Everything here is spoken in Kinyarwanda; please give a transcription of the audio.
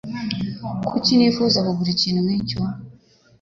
Kuki nifuza kugura ikintu nkicyo?